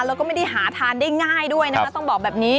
แล้วก็ไม่ได้หาทานได้ง่ายด้วยนะคะต้องบอกแบบนี้